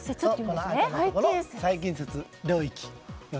最近接領域。